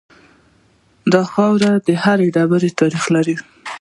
د دې خاورې هر ډبره تاریخ لري